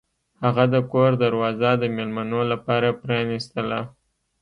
هغه د کور دروازه د میلمنو لپاره پرانیستله.